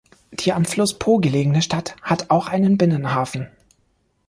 Die am Fluss Po gelegene Stadt hat auch einen Binnenhafen.